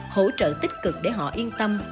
hỗ trợ tích cực để họ yên tâm